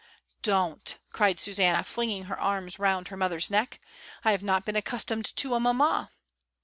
"Don't," cried Susanna, flinging her arms round her mother's neck. "I have not been accustomed to a mamma."